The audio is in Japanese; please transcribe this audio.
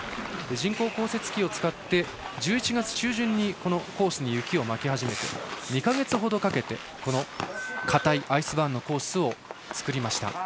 人工降雪機を使って１１月中旬にコースに雪をまき始めて２か月ほどかけてこの、かたいアイスバーンのコースを作りました。